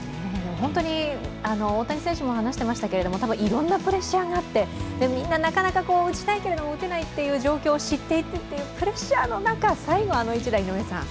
本当に大谷選手も話していましたけれどもいろんなプレッシャーがあって、みんななかなか打ちたいけれども打てないという状況を知っていてプレッシャーの中、最後あの一打。